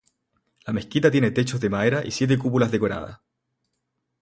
La mezquita tiene techos de madera y siete cúpulas decoradas.